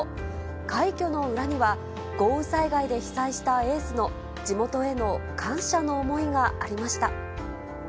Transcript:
快挙の裏には、豪雨災害で被災したエースの地元への感謝の思いがありました。